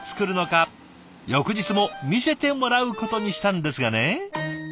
翌日も見せてもらうことにしたんですがね。